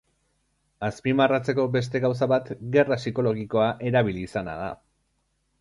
Azpimarratzeko beste gauza bat gerra psikologikoa erabili izana da.